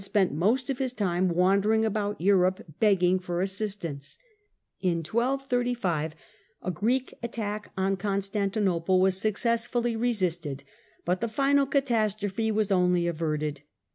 1228. spent most of his time wandering about Europe, begging ^^^^ for assistance. In 1235 a Greek attack on Constantinople was successfully resisted, but the final catastrophe was only averted.